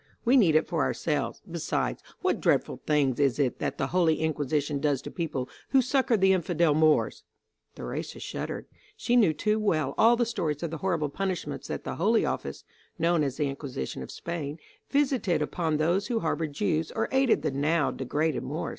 We need it for ourselves. Besides, what dreadful thing is it that the Holy Inquisition does to people who succor the infidel Moors?" Theresa shuddered. She knew too well all the stories of the horrible punishments that the Holy Office, known as the Inquisition of Spain, visited upon those who harbored Jews or aided the now degraded Moors.